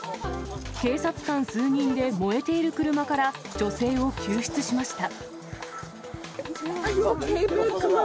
警察官数人で燃えている車から女性を救出しました。